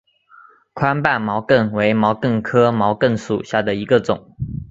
宽瓣毛茛为毛茛科毛茛属下的一个种。